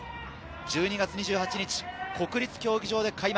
１２月２８日、国立競技場で開幕。